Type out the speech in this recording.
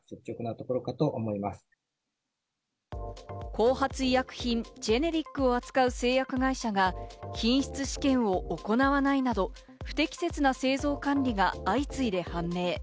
後発医薬品、ジェネリックを扱う製薬会社が品質試験を行わないなど、不適切な製造管理が相次いで判明。